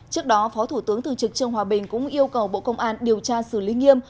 trước đó phó thủ tướng thư trực trương hòa bình cũng yêu cầu bộ công an điều tra xử lý nghiêm